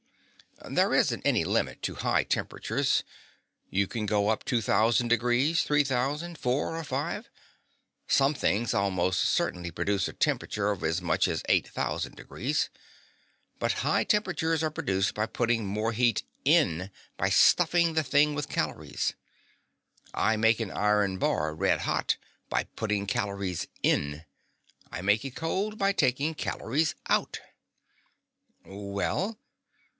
"There isn't any limit to high temperatures. You can go up two thousand degrees, three thousand, four, or five. Some things almost certainly produce a temperature of as much as eight thousand degrees. But high temperatures are produced by putting more heat in by stuffing the thing with calories. I make an iron bar red hot by putting calories in. I make it cold by taking calories out." "Well?"